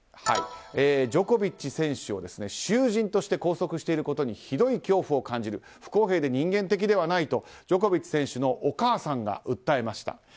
ジョコビッチ選手を囚人として拘束していることにひどい恐怖を感じる、不公平で人間的ではないとジョコビッチ選手のお母さんが訴えました。